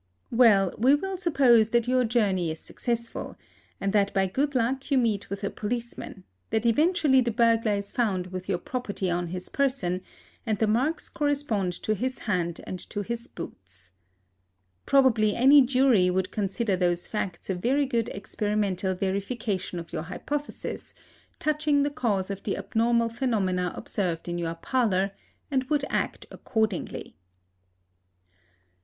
Well, we will suppose that your journey is successful, and that by good luck you meet with a policeman; that eventually the burglar is found with your property on his person, and the marks correspond to his hand and to his boots. Probably any jury would consider those facts a very good experimental verification of your hypothesis, touching the cause of the abnormal phenomena observed in your parlor, and would act accordingly.